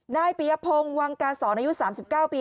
นายปียพงศ์วังกาศรอายุ๓๙ปี